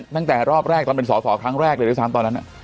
ตั้งแต่รอบแรกตอนเป็นสอสอครั้งแรกเลยด้วยซ้ำตอนนั้น